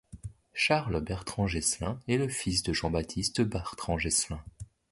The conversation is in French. Charles Bertrand-Geslin est le fils de Jean-Baptiste Bertrand-Geslin.